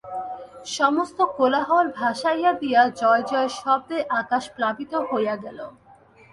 সমস্ত কোলাহল ভাসাইয়া দিয়া জয় জয় শব্দে আকাশ প্লাবিত হইয়া গেল।